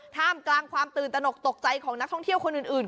ท่ามกลางความตื่นตนกตกใจของนักท่องเที่ยวคนอื่น